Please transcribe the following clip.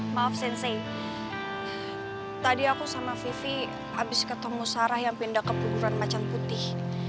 maaf sensi tadi aku sama vivi habis ketemu sarah yang pindah ke buburan macan putih